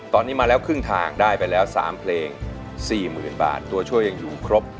ตอนนี้มาแล้วครึ่งทางได้ไปแล้ว๓เพลง๔๐๐๐บาทตัวช่วยยังอยู่ครบ